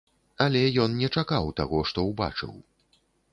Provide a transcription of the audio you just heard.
Але ён не чакаў таго, што ўбачыў.